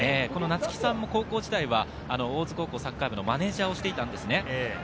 なつきさんも高校時代は大津高校サッカー部のマネージャーをしていたんですね。